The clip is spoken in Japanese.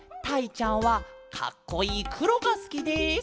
ちゃんはかっこいいくろがすきです」。